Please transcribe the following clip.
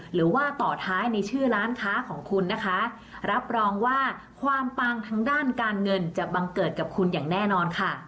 หรือว่าต่อท้ายในชื่อร้านค้าของคุณนะคะรับรองว่าความปังทางด้านการเงินจะบังเกิดกับคุณอย่างแน่นอนค่ะ